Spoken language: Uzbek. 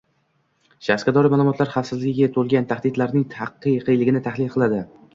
shaxsga doir ma’lumotlar xavfsizligiga bo‘lgan tahdidlarning haqiqiyligini tahlil qiladi;